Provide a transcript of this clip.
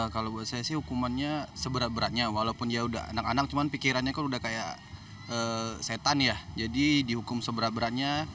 kalau buat saya sih hukumannya seberat beratnya walaupun dia udah anak anak cuman pikirannya kan udah kayak setan ya jadi dihukum seberat beratnya